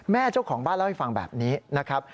เจ้าของบ้านเล่าให้ฟังแบบนี้นะครับ